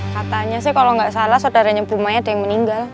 katanya sih kalau nggak salah saudaranya bu maya ada yang meninggal